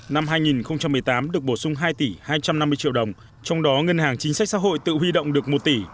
năm hai nghìn một mươi tám được bổ sung hai tỷ hai trăm năm mươi triệu đồng trong đó ngân hàng chính sách xã hội tự huy động được một tỷ